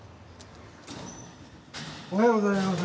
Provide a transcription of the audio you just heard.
おはようございます。